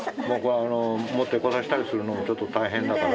持ってこさせたりするのちょっと大変だから。